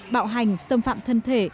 bạo hành xâm phạm thân thể